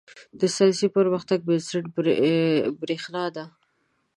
• د ساینسي پرمختګ بنسټ برېښنا ده.